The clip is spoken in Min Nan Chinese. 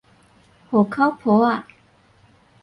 戶口簿仔